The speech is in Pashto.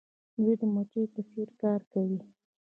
دوی د مچیو په څیر کار کوي.